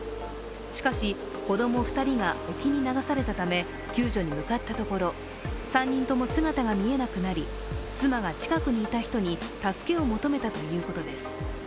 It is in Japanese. しかし、子供２人が沖に流されたため、救助に向かったところ３人とも姿が見えなくなり、妻は近くにいた人に助けを求めたということです。